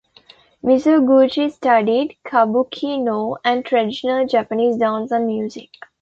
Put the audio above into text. Mizoguchi studied "kabuki", "noh", and traditional Japanese dance and music.